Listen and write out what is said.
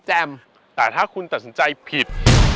แต่ถ้าคุณตัดสินใจผิด